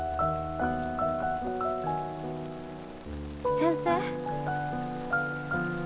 先生。